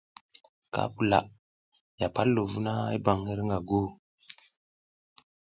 Ka pula, ya pal ɗu vuna i bam hirƞga gu.